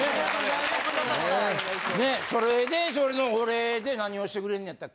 それでそれのお礼で何をしてくれんねやったっけ？